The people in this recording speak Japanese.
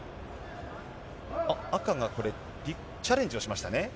赤がこれ、チャレンジをしましたね。